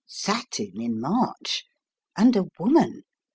Satin in March! And a woman!